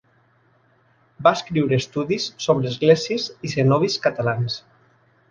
Va escriure estudis sobre esglésies i cenobis catalans.